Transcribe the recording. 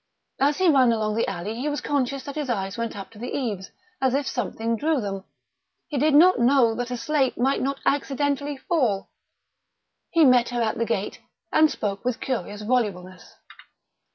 As he ran along the alley he was conscious that his eyes went up to the eaves as if something drew them. He did not know that a slate might not accidentally fall.... He met her at the gate, and spoke with curious volubleness.